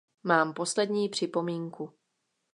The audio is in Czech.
Mám poslední připomínku.